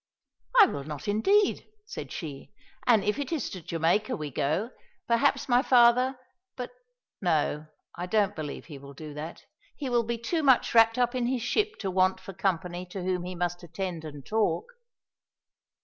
"I will not, indeed," said she; "and if it is to Jamaica we go, perhaps my father but no, I don't believe he will do that. He will be too much wrapped up in his ship to want for company to whom he must attend and talk."